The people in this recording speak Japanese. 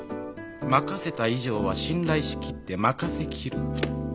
任せた以上は信頼しきって任せきる。